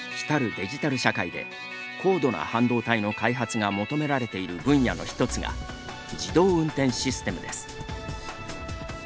デジタル社会で高度な半導体の開発が求められている分野の一つが自動運転システムです。